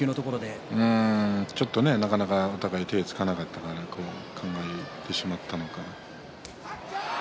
お互いなかなか手をつかなかったから考えてしまったのか。